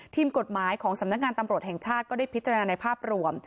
ทีมกฎหมายของสำนักงานตำรวจแห่งชาติก็ได้พิจารณาในภาพรวม